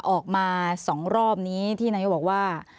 ออกมา๒รอบนี้ที่นายกบอกว่า